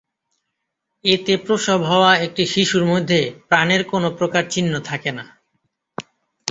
এতে প্রসব হওয়া একটি শিশুর মধ্যে প্রাণের কোনো প্রকার চিহ্ন থাকে না।